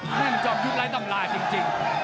นั่นจอบยุทธ์ร้ายต่ำรายจริง